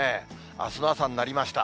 あすの朝になりました、